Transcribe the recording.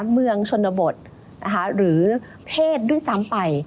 เมืองชนบทหรือเพศด้วยซ้ำไป